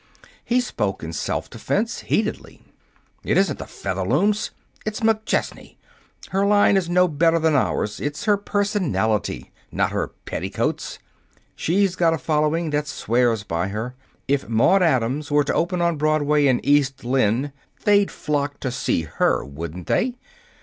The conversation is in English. He spoke in self defense, heatedly. "It isn't Featherlooms. It's McChesney. Her line is no better than ours. It's her personality, not her petticoats. She's got a following that swears by her. If Maude Adams was to open on Broadway in 'East Lynne,' they'd flock to see her, wouldn't they?